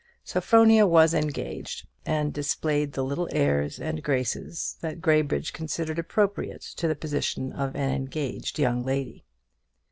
Sophronia was engaged, and displayed the little airs and graces that Graybridge considered appropriate to the position of an engaged young lady.